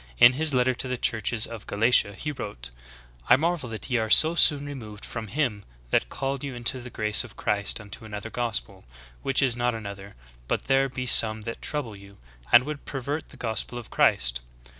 In his letter to the churches of Galatia he wrote : 'T marvel that ye are so soon removed from him that called you into the grace of Christ unto another gospel : Which is not another; but there be some that trouble you, and would pervert the gospel of Christ."